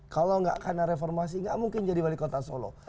kalau gak kena reformasi gak mungkin jadi wali kota solo